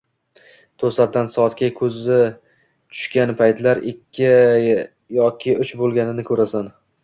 Toʻsatdan soatga koʻzing tushgan paytlar ikki yoki uch boʻlganini koʻrasan